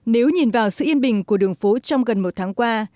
nếu nhìn vào sự yên bình của đường phố trong gần một tháng qua